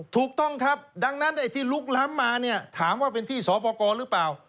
ถูกต้องครับดังนั้นไอ้ที่ลุกล้ำมาเนี่ยถามว่าเป็นที่สอบประกอบหรือเปล่า